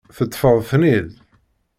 Teṭṭfeḍ-ten-id?